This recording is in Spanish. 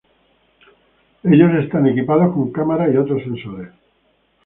Ellos están equipados con cámaras y otros sensores.